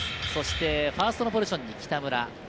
そしてファーストポジションに北村。